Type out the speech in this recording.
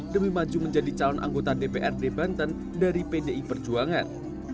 demi maju menjadi calon anggota dprd banten dari pdi perjuangan